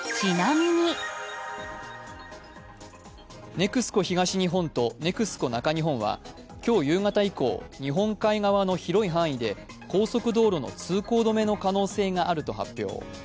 ＮＥＸＣＯ東日本とＮＥＸＣＯ中日本は今日夕方以降、日本海側の広い範囲で、高速道路の通行止めの可能性があると発表。